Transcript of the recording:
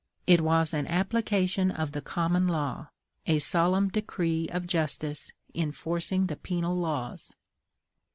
It was an application of the common law, a solemn decree of justice enforcing the penal laws.